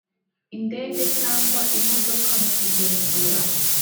indege cyangwa imodoka mu kugenzura